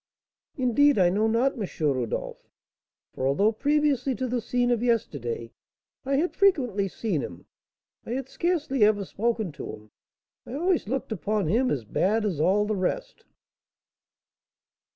"Indeed, I know not, M. Rodolph; for although, previously to the scene of yesterday, I had frequently seen him, I had scarcely ever spoken to him. I always looked upon him as bad as all the rest."